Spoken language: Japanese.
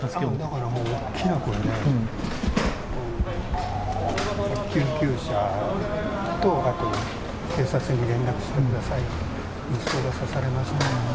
だからもう、大きな声で、救急車と、あと警察に連絡してくださいって、息子が刺されましたと。